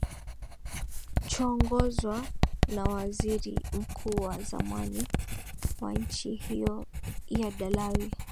choongozwa na waziri mkuu wa zamani wa nchi hiyo yad alawi